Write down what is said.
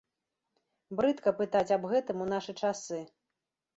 Брыдка пытаць аб гэтым у нашы часы.